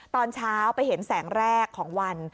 ตอนเช้าไปเห็นแสงแรกของวัน